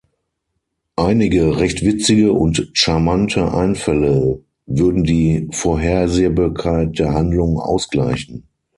Einige „recht witzige und charmante Einfälle“ würden die Vorhersehbarkeit der Handlung ausgleichen.